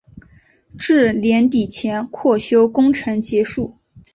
至年底前扩修工程结束。